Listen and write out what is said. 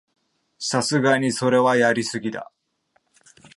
さすがにそれはやりすぎだ